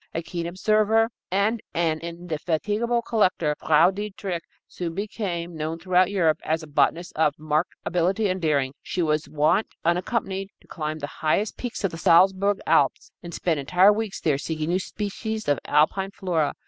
A keen observer and an indefatigable collector, Frau Dietrich soon became known throughout Europe as a botanist of marked ability and daring. She was wont, unaccompanied, to climb the highest peaks of the Salzburg Alps, and spend entire weeks there seeking new species of Alpine flora.